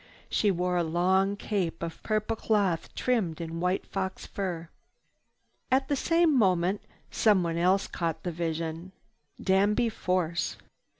She wore a long cape of purple cloth trimmed with white fox fur. At the same moment someone else caught the vision, Danby Force.